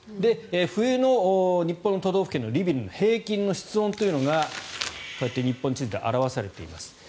冬の日本の都道府県のリビングの平均の室温というのがこうやって日本地図で表されています。